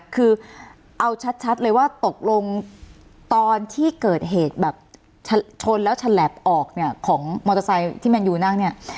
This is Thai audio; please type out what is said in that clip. คือเอาชัดเลยว่าตกลงตอนที่เกิดเหตุแบบชนแล้วฉลับออกเนี่ยของมอเตอร์ไซค์ที่แมนยูนั่งเนี่ย